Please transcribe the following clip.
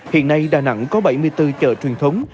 hiện nay đà nẵng có bảy mươi bốn chợ truyền thống